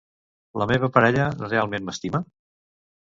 La meva parella realment m'estima?